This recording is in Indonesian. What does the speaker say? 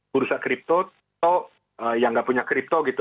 bursa kripto atau yang nggak punya kripto gitu